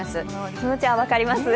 気持ちは分かります。